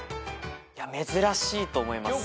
いや珍しいと思います。